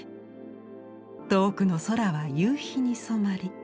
遠くの空は夕日に染まり